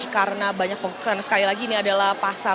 karena sekali lagi ini adalah pasar